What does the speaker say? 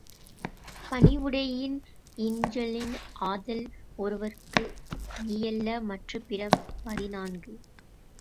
பணிவுடையன் இன்சொலன் ஆதல் ஒருவற்கு அணியல்ல மற்றுப் பிற பதினான்கு .